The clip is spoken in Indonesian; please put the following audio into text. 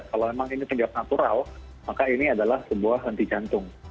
kalau memang ini tegak natural maka ini adalah sebuah henti jantung